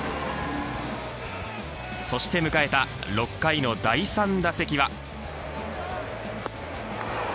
そして迎えた６回の第３打席は。